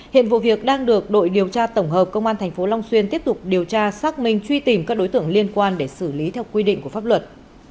hiện vụ việc đang được đội điều tra tổng hợp công an tp long xuyên tiếp tục điều tra xác minh truy tìm các đối tượng liên quan để xử lý theo quy định của pháp luật